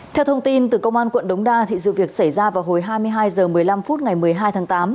theo thông tin từ công an quận đống đa sự việc xảy ra vào hồi hai mươi hai h một mươi năm phút ngày một mươi hai tháng tám